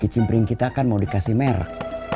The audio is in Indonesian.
kicimpring kita kan mau dikasih merk